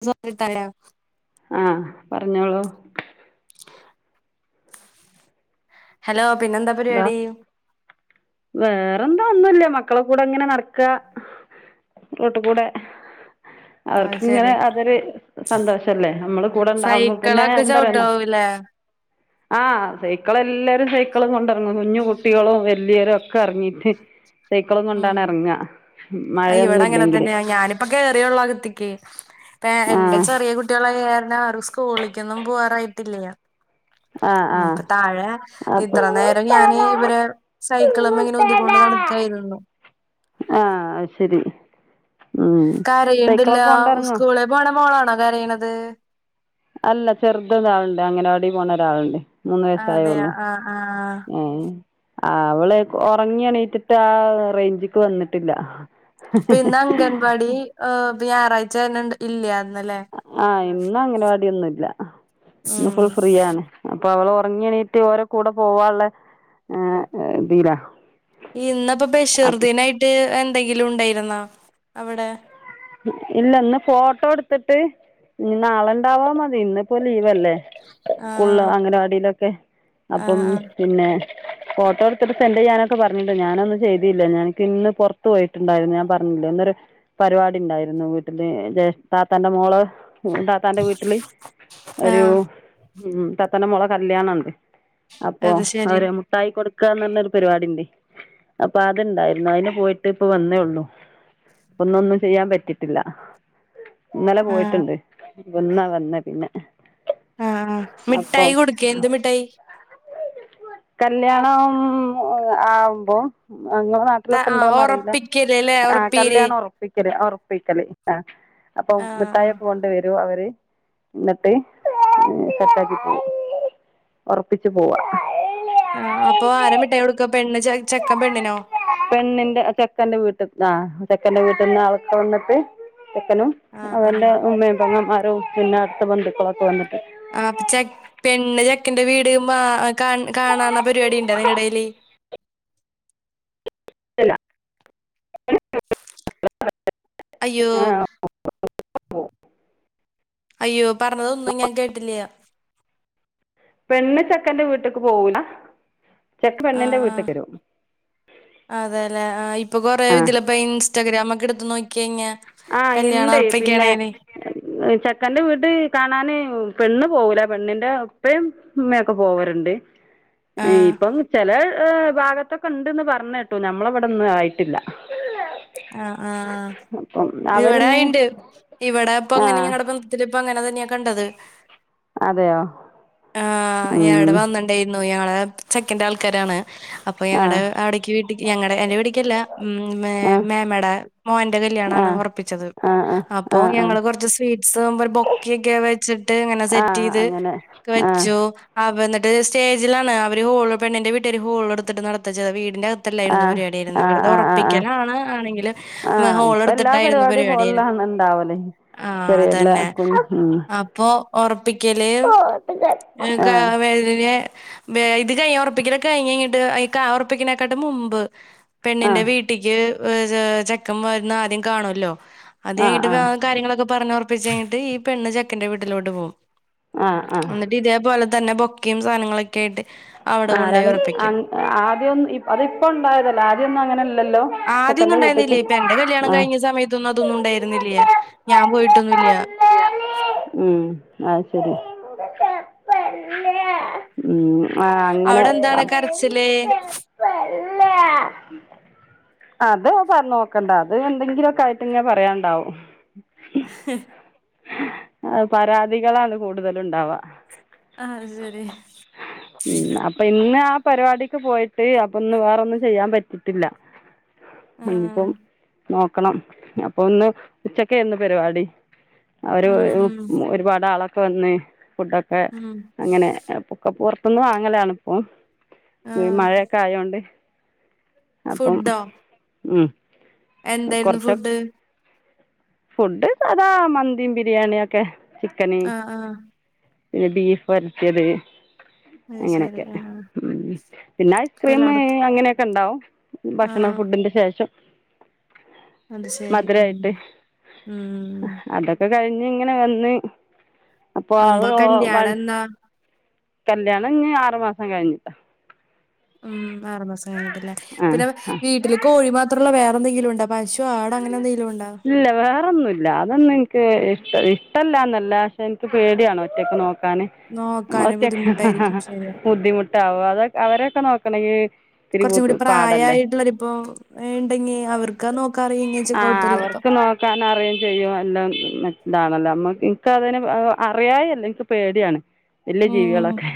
[unintelligible] തലയാ? ആഹ് പറഞ്ഞോളൂ. [inaudible] ഹലോ പിന്നെന്താ ഹലോ പരിപാടി വേറെന്താ ഒന്നുല്ല മക്കളെ കൂടെ അങ്ങനെ നടക്ക റോട്ടുക്കൂടെ അത് അവർക്കിങ്ങനെ ശരി അതൊരു സന്തോഷല്ലേ നമ്മള് കൂടെ ഇണ്ടാവുമ്പോ പിന്നെ സൈക്കിളൊക്കെ എന്തറിയണം ചവിട്ടാവൂലേ ആഹ് സൈക്കള് എല്ലാരും സൈക്കളും കൊണ്ടിറങ്ങു കുഞ്ഞു കുട്ടികളും വലിയരും ഒ കറങ്ങിട്ട് മ് ഇവിടെ മഴയൊന്നും അങ്ങനെ ഇല്ലെങ്കില് തന്നെയ ഞാനിപ്പോ കേയറിയുള്ളൂ അകത്തെക്ക്. ഏ എന്റെ ആഹ് ചെറിയ കുട്ടികള് ആയ കാരണം അവര് സ്കൂളിക്കൊന്നും പോവാറായിട്ടില്ല. ആഹ് ആഹ് നമുക്ക് താഴെ- ഇത്ര അപ്പൊ നേരം ഞാന് ഇവരെ സൈക്കിള്മെ ഇങ്ങനെ ഉന്തികൊണ്ട് നടക്കായിരുന്നു. ആഹ അയ്ശരി കരയ്ണ്ടലോ കൊണ്ടെറങ്ങോ സ്കൂളി പോണ മോളാണോ കരയണത് അല്ല ചെറുതൊന്ന് ആളുണ്ട് അംഗനവായി പോണ ഒരാളുണ്ട്. മൂന്ന് അതെയോ വയസ്സായുള്ളൂ ആഹ് ആഹ് മ് ആ അവള് ഒറങ്ങി എണീറ്റിട്ട് ആ ഹ് റേഞ്ച്ക്ക് വന്നിട്ടില്ല. പിന്നെ അംഗൻവാടി ഞായറാഴ്ച ഇല്ലായിന്നല്ലേ ആഹ് ഇന്ന് അംഗനവാടിയൊന്നുല്ല ഇന്ന് ഉം ഫുൾ ഫ്രീയാണ്. അപ്പൊ അവള് ഒറങ്ങി എണീറ്റ് ഓരോ കൂടെ പോവാനുള്ള ഇതിലാ. ഇന്നപ്പോ ബഷീർ അപ് ദിനായിട്ട് എന്തെങ്കിലും ഉണ്ടായിരുന്നോ അവിടെ? ഇല്ല ഇന്ന് ഫോട്ടോ എടുത്തിട്ട് ഇനി നാളെുണ്ടവോ മതി ഇന്നിപ്പോ ലീവല്ലെ. ആ സ്കൂള് അംഗനവാടിലൊക്കെ ആ അപ്പം പിന്നെ- ഫോട്ടോ എടുത്തിട്ട് സെന്റ് ചെയ്യാനൊക്കെ പറഞ്ഞിട്ട് ഞാനൊന്നും ചെയ്തില്ല ഞനിക്കിന്ന് പുറത്ത് പോയി- ഇണ്ടായിരുന്നു ഞാൻ പറഞ്ഞില്ലേ ഇന്നൊരു പരിപാടി ഇണ്ടായിരുന്നു വീട്ടില് ജേഷ് താത്തന്റെ മോള്. താത്താന്റെ വീട്ടില് ആ ഒരു ഉം താത്താന്റെ മോളെ കല്യാണണ്ട്. അപ്പോ അത് ശരി അവരും - മിട്ടായി കൊടുക്കാന്ന് പറഞ്ഞൊരു പരിപാടി ഉണ്ട് അപ്പൊ അത് ഇണ്ടായിരുന്നു അയ്ന് പോയിട്ട് ഇപ്പ വന്നേയുള്ളൂ ഒന്നൊന്ന്. ചെയ്യാൻ പറ്റിട്ടില്ല ഇന്നലെ ആ പോയിട്ടുണ്ട് ഇന്നാ വന്നെ പിന്നെ. ആ ആ അപ്പം മിഠായി കൊടുക്കേ എന്ത് മിഠായി കല്യാണം ആ ആവുമ്പോ അങ്ങെ ന ആ കുട്ടികളൊക്കെ ഉണ്ടോന്നറിയില്ല ഒറപ്പിക്കല് ല്ലേ ആഹ് ഒറപ്പീര് കല്യാണം ഉറ ഉറപ്പിക്കല് ആ അപ്പൊ ആ ആ മിട്ടായിയൊക്കെ കൊണ്ട് വരൂ അവര്. എന്നിട്ട് സെറ്റാക്കി പോവും ഒറപ്പിച്ചു പോവാ. ആഹ് അപ്പൊ ആരാ മിട്ടായി കൊടുക്ക പെണ്ണ് ചെ ചെക്കൻ പെണ്ണിനോ പെണ്ണിന്റെ ചെക്കന്റെ വീട്ടി ആ ചെക്കന്റെ വീട്ടിന്ന് ആളൊക്കെ വന്നിട്ട് ചെക്കനും. ആ ആ അതെല്ല ഉമ്മേ പെങ്ങന്മ്മാരും പിന്നെ അടുത്ത ബന്ധുക്കളൊക്കെ വന്നിട്ട്. ആപ്പൊ ചെ പെണ്ണ് ചെക്കന്റെ വീട് മാ കാ കാണാണ പരിപാടി ഇണ്ടാ നിങ്ങടയില് [unintelligible] അയ്യോ [unintelligible] അയ്യോ പറഞ്ഞതൊന്നും ഞാൻ കേട്ടില്ല പെണ്ണ് ചെക്കന്റെ വീട്ട്ക്ക് പോവൂല ചെക്കൻ പെണ്ണിന്റെ ആഹ് വീട്ട്ക്ക് വരും ആഹ് അതെല്ലേ ആഹ് ഇപ്പൊ കൊറേ ആഹ് ഇതിലും ഇപ്പ ഇൻസ്റ്റാഗ്രാമൊക്കെ എടുത്ത് നോക്കികയ്ഞ്ഞാ ആഹ് ഇണ്ട് പിന്നെ ചെക്കന്റെ വീട് കാണാന് പെണ്ണ് പോവൂല പെണ്ണിന്റെ ഇപ്പഴും ഉമ്മയൊക്കെ പോവാറുണ്ട്. ആഹ് ഇപ്പം ചെല ഭാഗത്തൊക്കെ ഉണ്ട്ന്ന് പറഞ്ഞ കേട്ടു നമ്മളിവിടൊന്നും ആയിട്ടില്ല ആഹ് ആഹ് അപ്പം ഇവിടെ അവരിന്ന് ആയിണ്ട് ഇവടെ ഇപ്പം അങ്ങനെ ആഹ് ഇങ്ങനെ കിടക്കുന്ന കൊണ് ഇതിലിപ്പം അങ്ങനെ തന്നെയാ കണ്ടത് അതെയോ ആഹ് ഉം ഞാനിവിടെ വന്ന യിരുന്നു അയാള് ചെക്കന്റെ ആൾക്കാരാണ് അപ്പോ ഞങ്ങടെ ആഹ് അവിടേക്ക് വി ടിക്ക് ഞങ്ങടെ എന്റെ വീടിക്കല്ല ഉം ആഹ് മേമ്മേടെ മോന്റെ കല്യാണണ് ആഹ് ഉറപ്പിച്ചത് ആഹ് ആഹ് അപ്പൊ ആഹ് ആഹ് ഞങ്ങള് കുറച്ച് സ്വീറ്റ്സും ഒരു ബൊക്കയൊക്കെ വെച്ചിട്ട് ഇങ്ങനെ സെറ്റ് ആഹ് ചെയ്ത് അങ്ങനെ ക്ക ആഹ് വെച്ചു ആഹ് എന്നിട്ട് സ്റ്റേജിലാണ് അവര് ഹോള് പെണ്ണിന്റെ വീട്ട്കാര് ഹോള് എടുത്തിട്ട് നടത്തചെയ്തെ വീടിന്റെ തല്ലായിരുന്നു ആഹ് പരിപാടിയിരുന്നെ ആഹ് വെറുതെ ആഹ് ആഹ് ആഹ് ഒറപ്പിക്കലാണ് ആഹ് ഇപ്പ എല്ലാ പരിപാടിയും പരിപാടിയായിരുന്നെ. ഹോളിലാണ് ഉണ്ടാവല് ആഹ് ശരിയല്ലെ അതന്നെ [unintelligible] അപ്പൊ ഉറപ്പിക്കല് [unintelligible] വ ഇത് കഴിഞ്ഞ് ഉറപ്പിക്കല് കഴിഞ്ഞ് കഴിഞ്ഞിട്ട് ആ ഉറപ്പിക്കിനേക്കാട്ടി മുമ്പ് പെണ്ണിന്റെ ആഹ് വീട് വീട്ടിക്ക് ചെക്കൻ വരുന്ന ആദ്യം കാണുവല്ലോ അത് ആഹ് കഴിഞ്ഞിട്ട് ആഹ് കാര്യങ്ങളൊക്കെ പറഞ്ഞ് ഉറ പ്പിച്ച് കഴിഞ്ഞിട്ട് ഈ പെണ്ണ് ചക്കന്റെ വീട്ടിലോട്ട് പോവും ആഹ് ആഹ് എന്നിട്ട് ഇതേപോലെ തന്നെ ബൊക്കയും സാധനങ്ങളൊക്കെ ആയിട്ട് അവിടെ ആഹ് കൊണ്ടോയി രൻ ഒറപ്പിക്കും ആദ്യം അതിപ്പ ഉണ്ടായതാണ് ആദ്യ ഒന്നും അങ്ങനെ അല്ലല്ലോ ആദ്യം ഒന്നും ഉണ്ടായിരുന്നില്ല ഇപ്പൊ എന്റെ കല്യാണം കഴിഞ്ഞ സമയത് ത്തൊന്നും അതൊന്നും ഉണ്ടായിരുന്നില്ല ഞാൻ പോയിട്ടൊന്നും ഇല്ല ഉം അത് ശരി ഉം ആഹ് അങ്ങനെ അവിടെ എന്താണ് കരച്ചില് അത് പറഞ്ഞോക്കണ്ട അത് എന്തെങ്കിലുമൊക്കെ ആയിട്ട് ഇങ്ങനെ പറയാണ്ടാവും [unintelligible] ആ പരാതികളാണ് കൂടുതലും ഉണ്ടാവുക ആഹ് ശരി ഉം അപ്പൊ ഇന്ന് ആ പരിപാടിക്ക് പോയിട്ട് അപ്പൊന്ന് വേറൊന്നും ചെയ്യാൻ പറ്റിട്ടില്ല ആ ഇപ്പം ആ നോക്കണം അപ്പൊ ഇന്ന് ഉച്ചക്കായിരുന്നു പരിപാടി അവര് ഉം വരും ഉം ഒരുപാട് ആളൊക്കെ വന്ന് ഫുഡൊക്കെ ഉം ഉം അങ്ങനെ ഒക്ക പൊറ റത്തൂന്ന് വാങ്ങലാണ് ഇപ്പം ആ ഈ മഴയൊക്കെ ആയോണ്ട് അപ്പം ഫുഡോ ഉം എന്തായിരുന്നു ഫുഡ് ഫുഡ് സാധ മന്തിയും ബിരിയാണിയുമൊക്കെ ചിക്കന് ആ ആ എ ബീഫ് ഒലത്തിയത് അത് ശരി അങ്ങനെയൊക്കെ ആ ഉം പിന്നെ ഇപ്പ ഐസ്ക്രീം എല്ലായിടത്തും അങ്ങനെയൊക്കെ ഉണ്ടാവും ആ ഭക്ഷണം ഫുഡിന്റെ ശേഷം അത് ശരി മധുര ഉം ആയിട്ട് ഉം അതക് ക്കെ കഴിഞ്ഞ് ഇങ്ങനെ വന്ന് അപ്പോ അമ്പ അത് കല്യാണം എന്നാ കല്യാണം ഇനി ആറ് മാസം കഴിഞ്ഞിട്ടാ ഉം ആറു മാസം കഴിഞ്ഞിട്ടല്ലേ ആ പിന്നെ ആ വീട്ടില് ക് കോഴി മാത്ര ഉള്ളോ വേറെന്തങ്കിലും ഉണ്ടാ പശു, ആട് അങ്ങനെ എന്തെങ്കിലും ഒണ്ടാ ഇല്ല വേറെന്നുമില്ല അതൊന്നും എനിക്ക് ഇഷ്ട ഇഷ്ടല്ലാ ന്നല്ല പക്ഷെ എനിക്ക് പേടിയാണ് ഒറ്റയ്ക്ക് നോക്കാന് നോക്കാന് ഒറ്റ ബുദ്ധിമുട്ടായിരിക്കും ശരിയാ ബുദ്ധിമുട്ടാവും അതെ അവരൊക്കെ നോക്കണെങ്കി ഇത്തിരി കുറച്ചും കൂടി പാടല്ലേ പ്രായമായിട്ടുള്ളവരിപ്പോ ഇണ്ടെങ്ങി അവർക് നോക്കാൻ അറിയന്ന് വെച്ചാൽ കുഴപ്പല്ലാ ഇപ്പൊ ക്കൻ അറിയയും ചെയ്യും എല്ലാം ഇതാണല്ലോ നമ്മക്ക്, എനിക്ക്, അതിന് അറിയാ ഴിയല്ല, എനിക്ക് പേടിയാണ്. വലിയ ഉം ജീവികളൊക്കെ,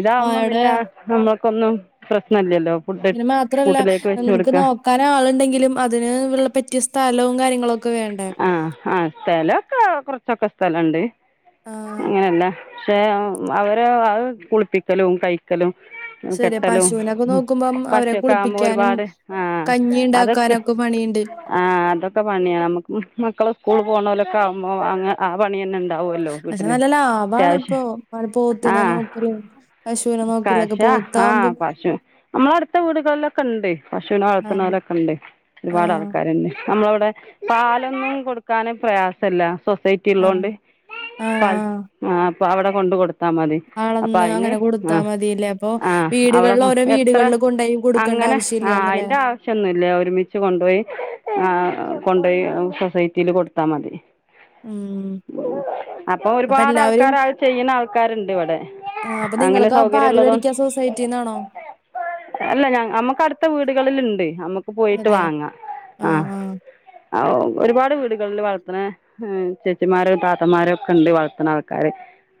ഇതാവുമ്പോ അവിടെ പിന്നെ നമ്മൾക്കൊന്നും പ്രശ്ന ഇല്ലല്ലോ. അത് ന് മാത്രല്ല നമുക്ക് നോക്കാൻ ആളുണ്ടെങ്കിലും അതിന് ഉള്ള പറ്റിയ സ്ഥലവും കാര്യങ്ങളും ആഹ് ആഹ് സ്ഥലൊക്കെ കുറച്ചൊക്കെ സ്ഥലണ്ട് ആഹ് അങ്ങനെയല്ല പക്ഷെ അവര് അഹ് കുളിപ്പിക്കലും കഴി ക്കലും ശരിയാ കെട്ടലും പശുവിനൊക്കെ നോക്കുമ്പം അവരെ പശു ആവുമ്പോ കുളിപ്പിക്കാനും ഒരുപാട് ആഹ് അതൊക്കെ ക്കു പണിയ്ണ്ട് ആഹ് അതൊക്കെ പണിയാ നമുക്ക് മക്കള് സ്കൂൾ പോണ പോലൊക്കെ ആവുമ്പോ അങ്ങ് ആഹ് പണി തന്നെ ണ്ടാവൂല്ലോ പക്ഷെ വീട്ടില് നല്ല ലാഭാണ് അത്യാവശ്യ ഇപ്പൊ പോത്തിനെ ആഹ് നോക്കലും പശുവിനെ നോക്കലൊക്കെ കാഷാ ആഹ് പോത്താവുമ്പം പശു നമ്മള അടുത്ത വീടുകളിലൊക്കെ ഉണ്ട് പശുവിനെ വളർത്തുന്ന ആഹ് ലൊക്കെ ഉണ്ട് ഒരുപാട് ആഹ് ആൾക്കാരുണ്ട് നമ്മളവിടെ പാലൊന്നും കൊടുക്കാന് പ്രയാസല്ലാ സൊസൈ ആഹ് ക്കിള്ളോണ്ട് പാൽ ആഹ് അപ്പൊ അവിടെ കൊണ്ട് കൊട് ത്താ മതി അപ്പൊ അളന്ന് അയിന് അങ്ങനെ കൊടുത്താ ആഹ് മതില്ലേ അപ്പൊ ആഹ് അവിടെ വീടുകളിൽ കൊ ഓരോ എത്ര? വീടുകളിൽ കൊണ്ടോയി കൊടുക്കേണ്ട അങ്ങനെ ആഹ് ആവശ്യമില്ലാന്നല്ലേ? അയിന്റെ ആഹ് വശ്യമൊന്നുംല്ലാ ഒരുമിച്ച് കൊണ്ടുപോയി ആഹ് കൊണ്ടോയി സൊസൈറ്റിൽ കൊടുത്താ മതി ഉം അപ്പൊ ഒരുപാട് ആൾക്കാര അഹ് ചെയ്യണ ആൾക്കാരിണ്ട് ഇവടെ ആഹ് അപ്പൊ നിങ്ങളക്കെ പാല് മേടിക്കാ സൊസൈറ്റിന്നാണോ? അല്ല ഞ നമ്മുക്ക് അടുത്ത വീടുകളിൽണ്ട് നമ്മുക്ക് പോയിട്ട് അതെയോ വാങ്ങാ ആഹ് അ ഓ ഒരുപാട് വീടുകളില് വളർത്ത്ണ ഹ് ചേച്ചിമാരും താത്തന്മാര്ക്കെ ഇണ്ട് വളർത്ത്ണ ആൾക്കാര്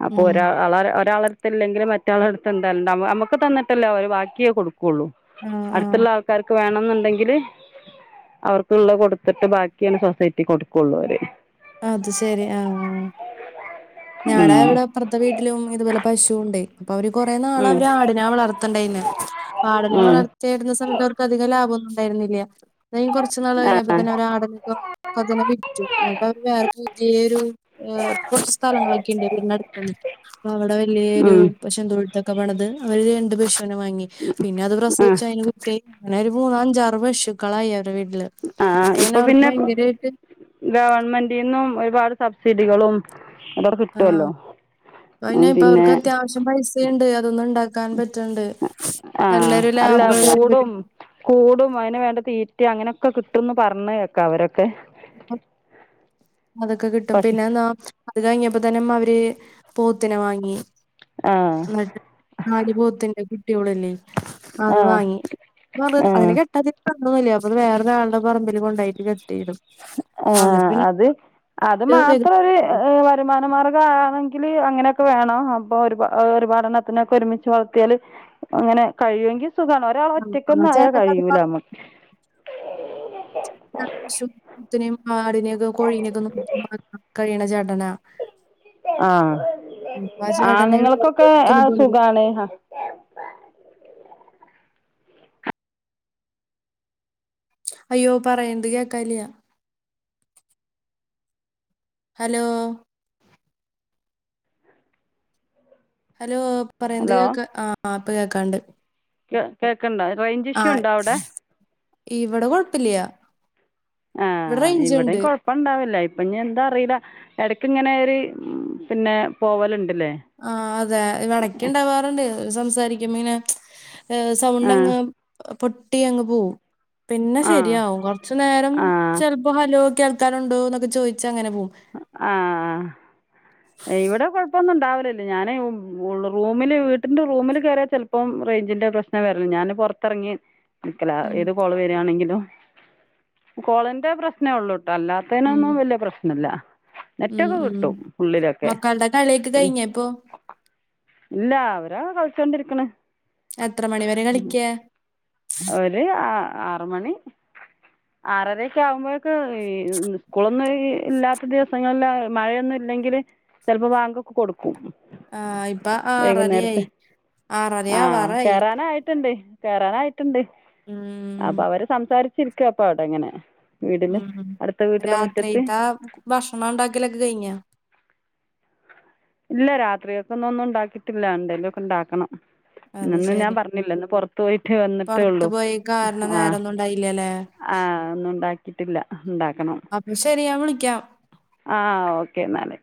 അപ്പൊ ഉം ഒരാള് ഒരാളടുത്തില്ലെങ്കിൽ മറ്റാളടുത്ത് എന്താ ണ്ടാ നമുക്ക് തന്നിട്ടല്ല ഓരു ബാക്കി കൊടു കോളു ആഹ് ആഹ് അടുത്തുള്ള ആൾക്കാർക്ക് വേണെന്നുണ്ടെങ്കില് അവർക്കുള്ള കൊട് തിട്ട് ബാക്കിയാണ് സൊസൈറ്റി കൊടുക്കുള്ളവര് അത് ശെരി ആഹ് ഞാടെ ഉം ഇവിടെ അപ്പുറത്ത വീട്ടിലും ഇതുപോലെ പശു ഉണ്ടേ അപ്പൊ അവര് കൊറേ നാൾ ഉം അവര് ആടിനെ വളർത്തണ്ടെയ്ന് ആടിനെ ഉം വളർ ചേരുന്ന സമയത്ത് അവർക്ക് അധിക ലാഭമൊന്നും ഉണ്ടാരുന്നില്ല്യാ അത് കഴിഞ്ഞ് കുറ ച്ചു നാള് ആ കഴിഞ്ഞപ്പോ തന്നെ അവരാടിനൊക്കെ ഒക്കത്തിനെ വിറ്റു അവര് വേറെ പുതിയൊരു ഏ കുറച്ച് സ്ഥലങ്ങളൊക്കെ ഇണ്ട് വീടിന് അടുത്തന്നെ അവിടെ വല്ല്യോരു ഉം പശുന്തൊഴുത്തൊക്കെ പണിത് അവര് രണ്ട് പശുവിനെ വാങ്ങി പിന്നെ അത് പ്രസവിച്ച് അയിന് കുട്ട്യാ യി അങ്ങനെ ഒരു മൂന്ന് അഞ്ചാറ് പശുക്കളായി അവരു വീട്ടില് ആഹ് അപ്പൊ ഇപ്പോൾ അവർക്ക് പിന്നെ ഭയങ്കരായിട്ട് ഗവൺമെന്റിന്നും ഒരുപാട് സബ്സിഡികളും അതടെ കിട്ടുല്ലോ ആഹ് ഉം പിന്നെ പൈസുണ്ട് അതൊന്നും ഉണ്ടാക്കാൻ പറ്റണ്ട് ആ നല്ലൊരു അല്ല ലാഭള്ള ഒരു പരി കൂടും കൂടും അതിന് വേണ്ട തീറ്റ അങ്ങനെയൊക്കെ കിട്ടുംന്ന് പറഞ്ഞ് കേക്കാം അവരൊക്കെ അതൊക്കെ കിട്ടും പശു പിന്നെന്നാ അത് കഴിഞ്ഞപ്പോ തന്നെ ഉം അവര് പോത്തിനെ വാങ്ങി ആ എന്നിട്ട് നാല് പോത്തിന്റെ കുട്ട്യോളില്ലേ അത് ആ വാങ്ങി പറ അതിന് ആ കെട്ടത് [unintelligible] അപ്പൊത് വേറൊരാളുടെ പറമ്പിൽ കൊണ്ടായിട്ട് കെട്ടിയിടും എന്നിട്ട് ആഹ് പിന്നെ അത് അത് മാത്രം ഒരുഏ വ വരുമാനമാർഗ ആണെങ്കിൽ അങ്ങനെയൊക്കെ വേണം അപ്പൊ ഒരു ഒരുപാ ഒരുപാടെണ്ണത്തിനൊക്കെ ഒരുമിച്ച് വളർത്തിയാല് അങ്ങനെ കഴിയുമെങ്കി സുഖമാണ് ഒരാൾ ആ ഒറ്റക്കൊന്നും ആയാ ചേട്ടൻ അത് കഴിയൂല നമ്മ പശു പോത്തിനേം ആടിനെയൊക്കെ കോഴീനെയൊക്കെ നോക്കുന്ന കഴിയണ ചേട്ടന ആഹ് ചേട്ടനെ വേറെ ആണുങ്ങൾക്കൊക്കെ ജോലിക്കൊന്നും അഹ് പോണില്ല. സുഖാണ് അയ്യോ പറയണത് കേൾക്കാല്ല്യാ ഹലോ ഹലോ പറയന്ത് ഹലോ കേൾക്ക ആ ആ പ്പ കേൾക്കാണ്ട് കേ കേക്കണ്ടോ റേഞ്ച് ഇഷ്യൂ ആഹ് ഉണ്ടോ അവിടെ ഇവിടെ കുഴപ്പില്ല്യാ ഇവിടെ റേഞ്ച് ഇണ്ട് ഇപ്പ ഇണ്ടാവില്ല ഇപ്പൊ ഇനി എന്താ അറിയില്ല ഇടക്ക് ഇങ്ങനെ ഒരു പിന്നെ പോവലിണ്ടല്ലേ? ആഹ് അതെ ഇവടക്കുണ്ടാവാറുണ്ട് സംസാരിക്കുമ്പ ഇങ്ങനെ മ്ച് ഏ ആഹ് സൗണ്ടങ്ങ് പൊട്ടി അങ്ങ് പോവും പിന്നെ ആഹ് ശരിയാവും കൊ കുറച്ച് നേരം ആഹ് ചിലപ്പോ ഹലോ കേൾക്കാനുണ്ടോ എന്നൊക്കെ ചോദിച്ച് അങ്ങനെ പോകും ആ ആഹ് ഇവിടെ കുഴപ്പമെന്നും ഉണ്ടാവില്ലല്ലേ ഞാന് റൂമില് വീട്ടിന്റെ റൂമില് കയറിയ ചെല ഇപ്പം റേഞ്ചിന്റെ പ്രശ്നം വരല്ല ഞാന് പുറത്തിറങ്ങി നിക്കല ഉം ഏത് കോള വരിയാണെങ്കിലും കോളിന്റെ പ്രശ്നേ ഉള്ളൂട്ടോ അല്ലാത്ത ഉം അതിനൊന്നും വലിയ പ്രശ്നമില്ലല്ല ഉം നെറ്റൊക്കെ ഉം കിട്ടും ഉുള്ളിലൊക്കെ മക്കളുടെ കളിയൊക്കെ പിന്ന കഴിഞ്ഞോ ഇപ്പൊ? ഇല്ല അവരാ കളിച്ചോണ്ടിരിക്കണ് എത്ര മണിവരെ കളിക്കാ ഒരു ആ ആറ് മണി ആറരൊക്കെ ആകുമ്പോഴേക്കെ സ്കൂളൊന്നും ഇല്ലാത്ത ദിവസങ്ങളിൽ അ മഴയൊന്നും ഇല്ലെങ്കിൽ ചിലപ്പോ വാങ്ങി കൊടുക്കും ആ ഇപ്പൊ വൈകുന്നേരത്തെ ആറരയായി ആറര ആഹ ആവാറായി. കറാന ആയിട്ടുണ്ടേ കേറാനായിട്ടുണ്ട് ആ അപ്പൊ അവര് സംസാരിച്ചിരിക്കുവ അപ്പ അവിടെ എങ്ങനെ വീടിനെ ഉം അടുത്ത വീട്ടിലെ മുറ്റത്ത് രാത്രിത്തെ ഭക്ഷണം ഉണ്ടാക്കൽ ഒക്കെ കഴിഞ്ഞോ ഇല്ല രാത്രിയൊക്കെ ഒന്ന ഒന്നും ഉണ്ടാക്കിയിട്ടില്ല എന്തേല ഒക്കെ ഉണ്ടാക്കണം അത് ഇന്ന് ഞാൻ ശരി പറഞ്ഞില്ല ഇന്ന് പുറത്ത പോയിട്ട് പുറത്ത് വന്നിട്ടേള്ളു പോയി കാരണം ആഹ്‌ നേരൊന്നും ഉണ്ടായില്ലല്ലേ ആഹ്‌ ഒന്നും ഉണ്ടാക്കിയിട്ടില്ല ഉണ്ടാക്കണം അപ്പൊ ശെരിയാ വിളിക്കാം ആഹ്‌ ഓക്കെ എന്നാല്